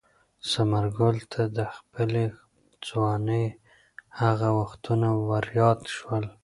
ثمرګل ته د خپلې ځوانۍ هغه وختونه وریاد شول.